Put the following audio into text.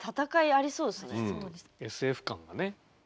ＳＦ感がね。